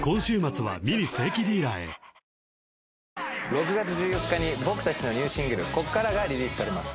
６月１４日に僕たちのニューシングル『こっから』がリリースされます。